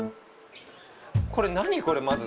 これ何これまず。